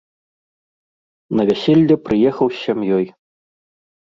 На вяселле прыехаў з сям'ёй.